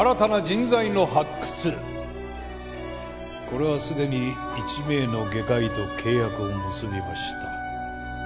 これはすでに１名の外科医と契約を結びました。